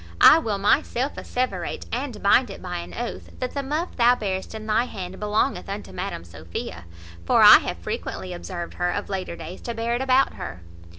I will myself asseverate and bind it by an oath, that the muff thou bearest in thy hand belongeth unto Madam Sophia; for I have frequently observed her, of later days, to bear it about her."